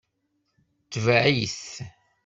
Tbeɛ-it.